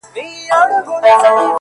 نوره سپوږمۍ راپسي مه ږغـوه;